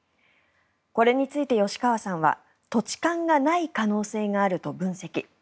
これについて吉川さんは土地勘がない可能性があると分析。